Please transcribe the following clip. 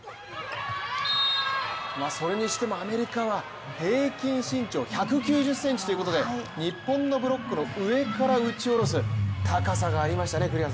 それにしてもアメリカは平均身長１９０ｃｍということで日本のブロックの上から打ち下ろす高さがありましたね。